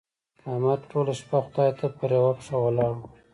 احمد ټوله شپه خدای ته پر يوه پښه ولاړ وو.